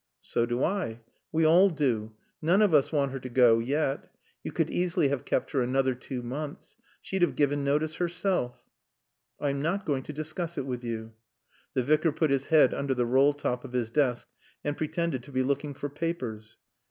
"So do I. We all do. None of us want her to go yet. You could easily have kept her another two months. She'd have given notice herself." "I am not going to discuss it with you." The Vicar put his head under the roll top of his desk and pretended to be looking for papers.